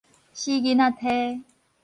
死囡仔䖙